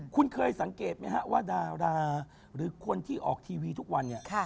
คุณเคยสังเกตไหมฮะว่าดาราหรือคนที่ออกทีวีทุกวันเนี่ย